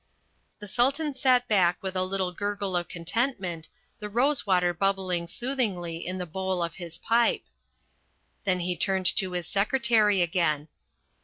The Sultan sat back with a little gurgle of contentment, the rose water bubbling soothingly in the bowl of his pipe. Then he turned to his secretary again.